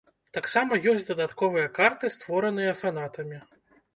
Таксама ёсць дадатковыя карты, створаныя фанатамі.